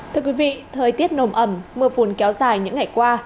thưa quý vị thời tiết nồm ẩm mưa phùn kéo dài những ngày qua